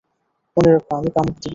মনে রেখ আমি কামুক দেবী।